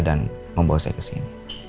dan membawa saya ke sini